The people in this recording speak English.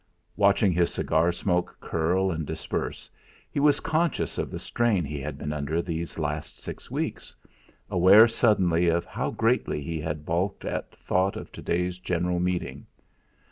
Watching his cigar smoke curl and disperse he was conscious of the strain he had been under these last six weeks, aware suddenly of how greatly he had baulked at thought of to day's general meeting.